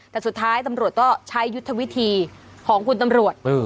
แต่สุดท้ายตำรวจก็ใช้ยุทธวิธีของคุณตำรวจ